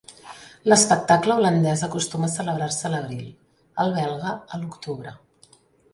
L'espectacle holandès acostuma a celebrar-se a l'abril; el belga, a l'octubre.